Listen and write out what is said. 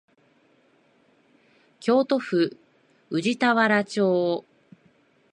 京都府宇治田原町